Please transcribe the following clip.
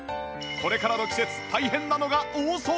これからの季節大変なのが大掃除